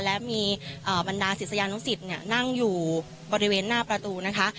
และมีบรรดาศิษยานุสิตนั่งอยู่บริเวณหน้าประตูนะคะ